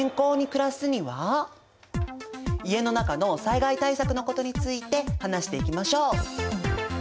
家の中の災害対策のことについて話していきましょう。